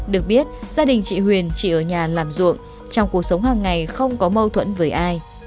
được biết gia đình chị huyền chỉ ở nhà làm ruộng trong cuộc sống hàng ngày không có mâu thuẫn với ai